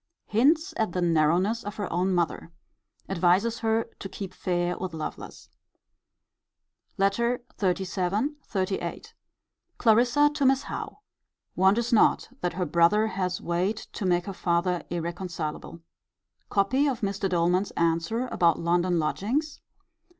Hints at the narrowness of her own mother. Advises her to keep fair with Lovelace. LETTER XXXVII. XXXVIII. Clarissa to Miss Howe. Wonders not that her brother has weight to make her father irreconcilable. Copy of Mr. Doleman's answer about London lodgings.